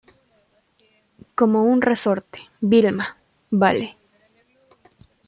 como un resorte. Vilma, vale.